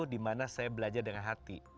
di mana saya belajar dengan hati